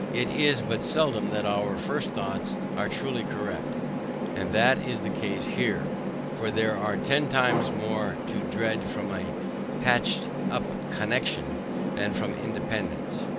It is but seldom that our first thoughts are truly correct, and that is the case here; for there are ten times more to dread from a patched up connexion than from independance.